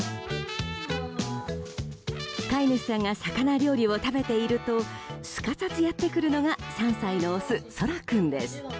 飼い主さんが魚料理を食べているとすかさず、やってくるのが３歳のオス、ソラ君です。